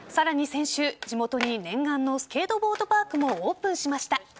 先週、地元に念願のスケートボードパークもオープンしました。